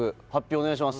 お願いします